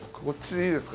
いいですか？